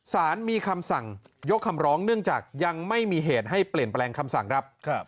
สารมีคำสั่งยกคำร้องเนื่องจากยังไม่มีเหตุให้เปลี่ยนแปลงคำสั่งครับ